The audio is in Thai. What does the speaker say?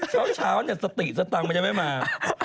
เช้าสติสตังค์มันจะไม่มา